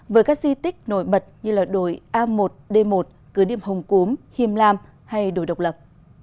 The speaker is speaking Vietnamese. với các di tích nổi bật như đổi a một d một cứ điểm hồng cúm hiềm lam hay đổi độc lập